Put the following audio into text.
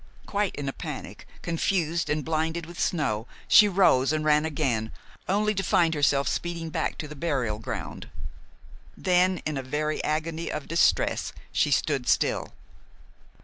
Quite in a panic, confused and blinded with snow, she rose and ran again, only to find herself speeding back to the burial ground. Then, in a very agony of distress, she stood still.